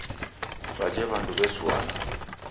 Waje wandu wesuana.